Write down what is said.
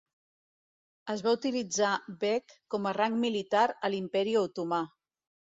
Es va utilitzar Beg com a rang militar a l'Imperi Otomà.